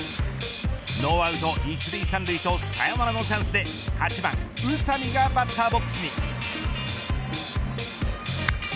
ノーアウト１塁３塁とサヨナラのチャンスで８番、宇佐美がバッターボックスに。